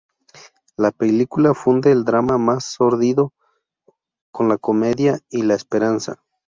La película funde el drama más sórdido con la comedia y la esperanza.